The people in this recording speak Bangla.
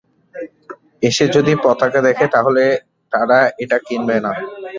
এসে যদি পতাকা দেখে, তাহলে তারা এটা কিনবে না।